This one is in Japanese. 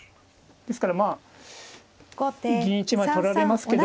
ですからまあ銀１枚取られますけど。